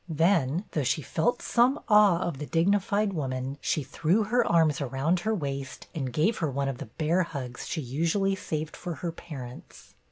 Then, though she felt some awe of the dignified woman, she threw her arms around her waist and gave her one of the " bear hugs " she usually saved for her parents.